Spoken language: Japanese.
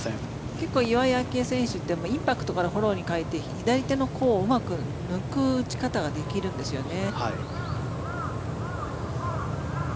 結構、岩井明愛選手ってインパクトからフォローに変えて左手の甲をうまく抜く打ち方ができるんですよね。